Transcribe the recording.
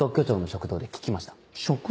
食堂？